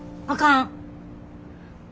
あかん！